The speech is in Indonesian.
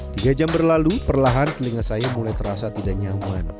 tiga jam berlalu perlahan telinga saya mulai terasa tidak nyaman